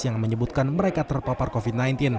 yang menyebutkan mereka terpapar covid sembilan belas